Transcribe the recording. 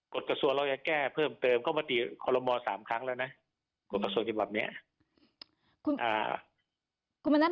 กฎกระทรวจแล้วจะแก้เพิ่มเติมก็ว่าใน๐๒ชีวิตโหลดสิบครั้งแล้วนะ